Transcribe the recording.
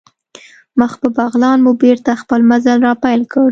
مخ په بغلان مو بېرته خپل مزل را پیل کړ.